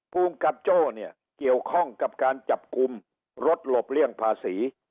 ภูมิกับโจ้เนี่ยเกี่ยวข้องกับการจับกลุ่มรถหลบเลี่ยงภาษี